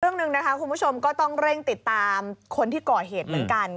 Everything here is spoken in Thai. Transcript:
เรื่องหนึ่งนะคะคุณผู้ชมก็ต้องเร่งติดตามคนที่ก่อเหตุเหมือนกัน